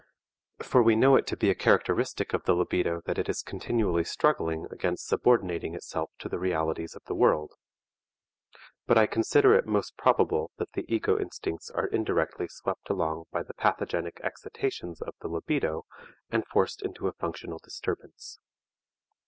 For we know it to be a characteristic of the libido that it is continually struggling against subordinating itself to the realities of the world. But I consider it most probable that the ego instincts are indirectly swept along by the pathogenic excitations of the libido and forced into a functional disturbance.